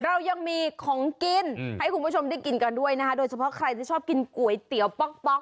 เรายังมีของกินให้คุณผู้ชมได้กินกันด้วยนะคะโดยเฉพาะใครที่ชอบกินก๋วยเตี๋ยวป๊อกป๊อก